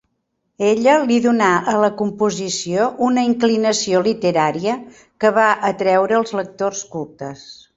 Ella li donà a la composició una inclinació literària que va atreure els lectors cultes.